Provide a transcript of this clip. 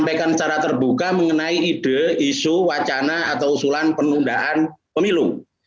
menyampaikan secara terbuka mengenai ide isu wacana atau usulan penundaan pemilu